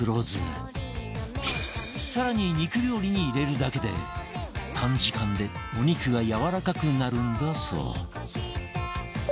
更に肉料理に入れるだけで短時間でお肉がやわらかくなるんだそう